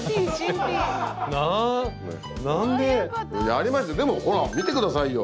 やりましたよでもほら見て下さいよ。